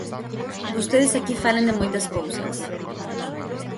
Vostedes aquí falan de moitas cousas.